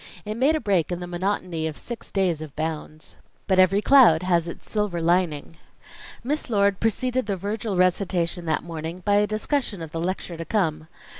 It made a break in the monotony of six days of bounds. But every cloud has its silver lining. Miss Lord preceded the Virgil recitation that morning by a discussion of the lecture to come.